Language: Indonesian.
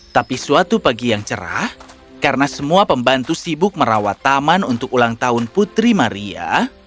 tapi suatu pagi yang cerah karena semua pembantu sibuk merawat taman untuk ulang tahun putri maria